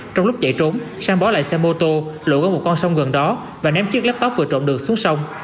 trong lúc chạy trốn sang bỏ lại xe mô tô lộ một con sông gần đó và ném chiếc laptop vừa trộn được xuống sông